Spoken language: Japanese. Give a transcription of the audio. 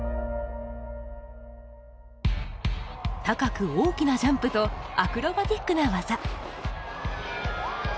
高く大きなジャンプとアクロバティックな技。